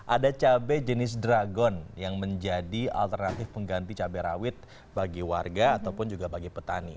ada cabai jenis dragon yang menjadi alternatif pengganti cabai rawit bagi warga ataupun juga bagi petani